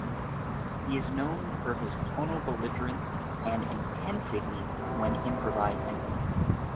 He is known for his tonal belligerence and intensity when improvising.